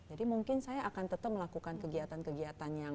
jadi mungkin saya akan tetap melakukan kegiatan kegiatan yang